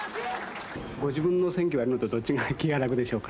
ご自分の選挙をやるのとどちらが気が楽でしょうか。